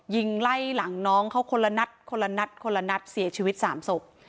ยิงไล่หลังน้องเขาคนละนัดคนละนัดคนละนัดเสียชีวิตสามศพ